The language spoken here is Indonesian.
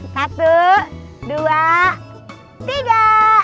satu dua tiga